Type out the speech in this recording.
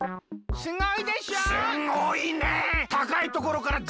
すごいでしょ！